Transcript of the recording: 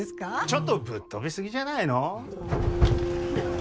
ちょっとぶっ飛びすぎじゃないの？